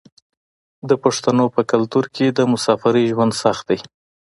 د پښتنو په کلتور کې د مسافرۍ ژوند سخت دی.